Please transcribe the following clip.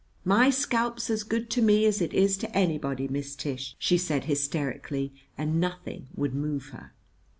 "My scalp's as good to me as it is to anybody, Miss Tish," she said hysterically; and nothing would move her.